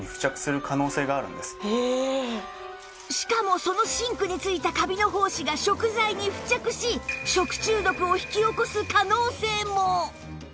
しかもそのシンクに付いたカビの胞子が食材に付着し食中毒を引き起こす可能性も